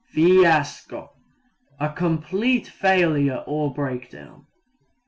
Fiasco a complete failure or breakdown.